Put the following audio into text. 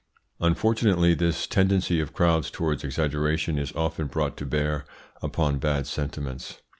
Unfortunately, this tendency of crowds towards exaggeration is often brought to bear upon bad sentiments.